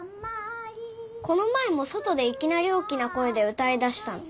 この前も外でいきなり大きな声で歌いだしたの。